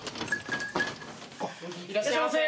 いらっしゃいませ。